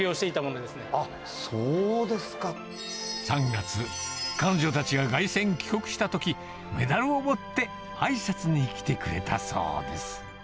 ３月、彼女たちが凱旋帰国したとき、メダルを持ってあいさつに来てくれたそうです。